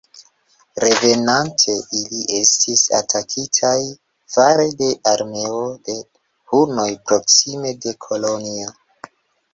Revenante ili estis atakitaj fare de armeo de Hunoj proksime de Kolonjo.